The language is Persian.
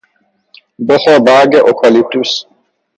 بخور برگ اکالیپتوس